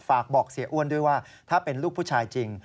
ฝากบอกเสียอ้วนด้วยว่าถ้าเป็นลูกผู้ชายจริง